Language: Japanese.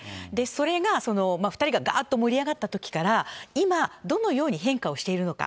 それが２人ががーっと盛り上がったときから、今、どのように変化をしているのか。